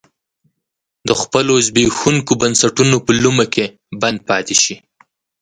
د خپلو زبېښونکو بنسټونو په لومه کې بند پاتې شي.